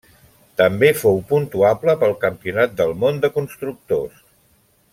També fou puntuable pel Campionat del món de constructors.